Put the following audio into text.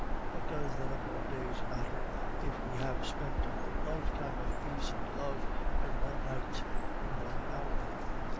What does the number of days matter if we have spent a whole lifetime of peace and love in one night, in one hour?"